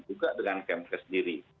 juga dengan kmk sendiri